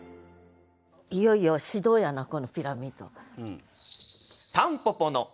いよいよ始動やなこのピラミッド。